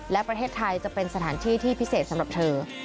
และประเทศไทยจะเป็นสถานที่ที่พิเศษสำหรับเธอ